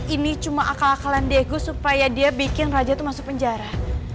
ini cuma akal akalan diego supaya dia bikin raja itu masuk penjara